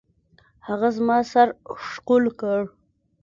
هغه زما سر ښکل کړ.